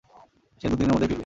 সে দুদিনের মধ্যেই ফিরবে।